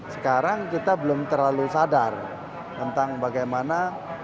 sekarang kita belum terlalu sadar tentang bagaimana